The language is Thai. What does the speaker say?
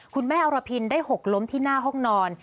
คุณแม่อรพินได้หกล้มที่หน้าห้องนอน